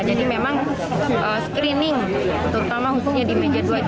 jadi memang screening terutama hubungnya di meja dua